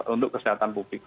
untuk kesehatan publik